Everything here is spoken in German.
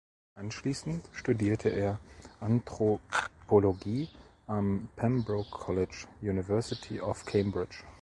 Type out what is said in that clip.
Anschließend studierte er Anthropologie am Pembroke College (University of Cambridge).